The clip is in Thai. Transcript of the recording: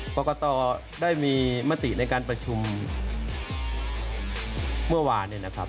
โปรกตอได้มีมติในการประชุมเมื่อวานนะครับ